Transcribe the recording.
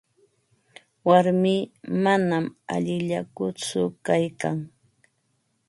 Warmii manam allillakutsu kaykan.